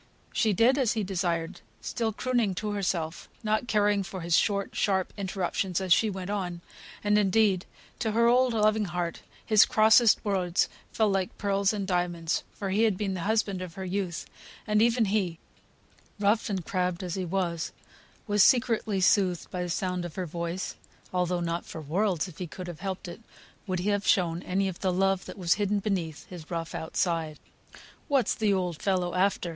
She did as he desired, still crooning to herself, not caring for his short, sharp interruptions as she went on; and, indeed, to her old, loving heart, his crossest words fell like pearls and diamonds, for he had been the husband of her youth; and even he, rough and crabbed as he was, was secretly soothed by the sound of her voice, although not for worlds, if he could have helped it, would he have shown any of the love that was hidden beneath his rough outside. "What's the old fellow after?"